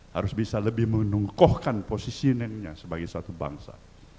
harus bisa lebih menungkohkan posisinya sebagai satu bangsa